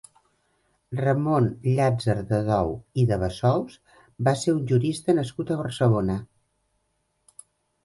Ramon Llàtzer de Dou i de Bassols va ser un jurista nascut a Barcelona.